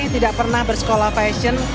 tidak pernah bersekolah fashion